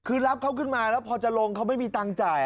คือรับเขาขึ้นมาแล้วพอจะลงเขาไม่มีตังค์จ่าย